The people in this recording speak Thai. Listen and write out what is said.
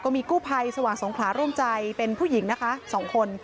มีกู้ภัยสว่างสงขลาร่วมใจเป็นผู้หญิงนะคะ๒คน